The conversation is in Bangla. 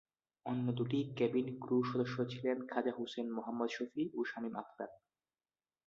অন্য দুটি কেবিন ক্রু সদস্য ছিলেন খাজা হোসেন মোহাম্মদ শফি ও শামীম আক্তার।